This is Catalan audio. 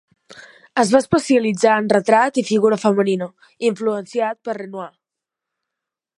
Es va especialitzar en retrat i figura femenina, influenciat per Renoir.